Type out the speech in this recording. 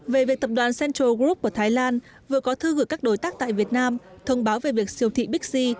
về việc tập đoàn central group của thái lan vừa có thư gửi các đối tác tại việt nam thông báo về việc siêu thị bixi